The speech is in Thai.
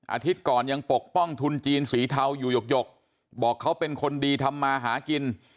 ก่อนยังปกป้องทุนจีนสีเทาอยู่หยกบอกเขาเป็นคนดีทำมาหากิน